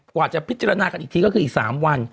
กว่าจะพิจารณากันอีกทีก็คืออีก๓วัน